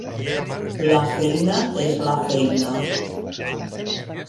La feina és la feina.